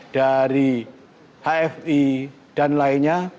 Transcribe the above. dari hfi dan lainnya